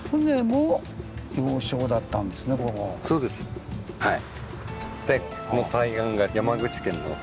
そうですはい。